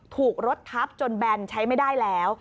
ถูกรถทับจนแบนใช้ไม่ได้แล้ว